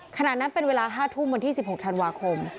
ขณะนั้นเป็นเวลา๕ทุ่มวันที่๑๖ธันวาคม